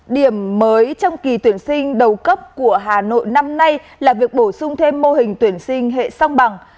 điểm mới trong kỳ tuyển sinh đầu cấp của hà nội năm nay là việc bổ sung thêm mô hình tuyển sinh hệ song bằng